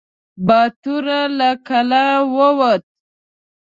باتور له کلا ووت.